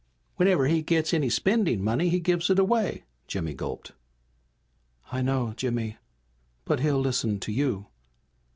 "Whenever he gets any spending money he gives it away!" Jimmy gulped. "I know, Jimmy. But he'll listen to you.